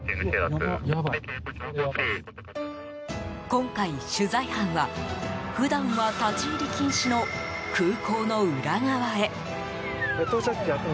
今回、取材班は普段は立ち入り禁止の空港の裏側へ。